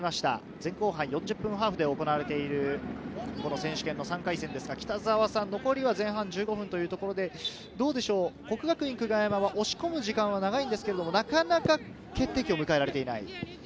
前後半４０分ハーフで行われているこの選手権の３回戦ですが、残りは前半１５分というところで、國學院久我山は押し込む時間は長いんですけれど、なかなか決定機を迎えられていない。